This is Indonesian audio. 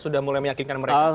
sudah mulai meyakinkan mereka